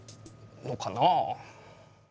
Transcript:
のかなあ。